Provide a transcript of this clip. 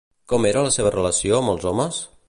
Com era la seva relació amb els homes?